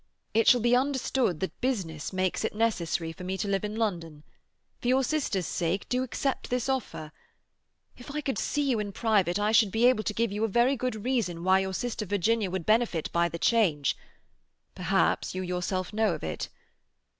It shall be understood that business makes it necessary for me to live in London. For your sister's sake do accept this offer. If I could see you in private, I should be able to give you a very good reason why your sister Virginia would benefit by the change; perhaps you yourself know of it.